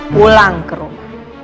pulang ke rumah